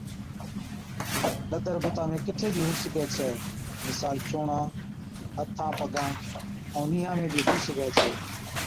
ڏَدر بُتا ۾ ڪِٺي بِي هُو سِگھَي ڇَي مثال، چُونڻا، هٿان پگان ائُون نِيهان ۾ بِي هُو سِگھَي ڇَي